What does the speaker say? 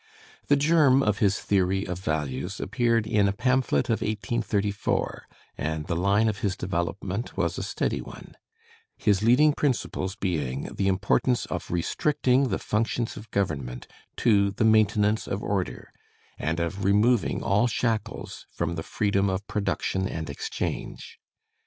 The germ of his theory of values appeared in a pamphlet of 1834, and the line of his development was a steady one; his leading principles being the importance of restricting the functions of government to the maintenance of order, and of removing all shackles from the freedom of production and exchange.